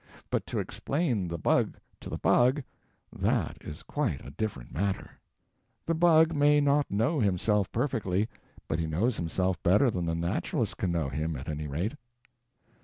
But to explain the bug to the bug that is quite a different matter. The bug may not know himself perfectly, but he knows himself better than the naturalist can know him, at any rate.